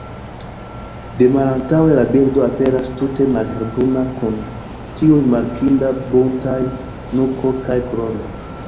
De malantaŭe la birdo aperas tute malhelbruna kun tiu rimarkinda buntaj nuko kaj krono.